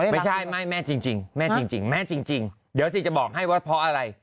ไม่ใช่ไม่แม่จริงแม่จริงแม่จริงเดี๋ยวสิจะบอกให้ว่าเพราะอะไร